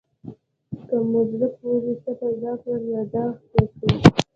که مو زړه پورې څه پیدا کړل یادداشت کړئ.